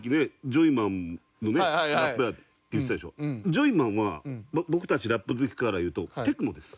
ジョイマンは僕たちラップ好きから言うとテクノです。